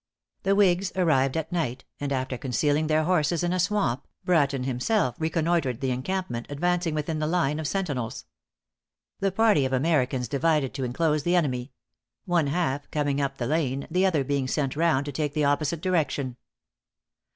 The whigs arrived at night, and after concealing their horses in a swamp, Bratton himself reconnoitered the encampment, advancing within the line of sentinels. The party of Americans divided to enclose the enemy; one half coming up the lane, the other being sent round to take the opposite direction.